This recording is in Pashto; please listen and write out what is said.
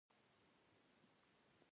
ښه سلوک ټولنیز اتحاد رامنځته کوي.